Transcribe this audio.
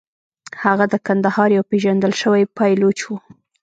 هغه د کندهار یو پېژندل شوی پایلوچ و.